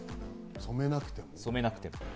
染めなくても。